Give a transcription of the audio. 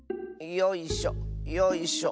よいしょよいしょ。